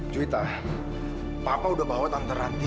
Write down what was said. juwita papa udah bawa tante ranti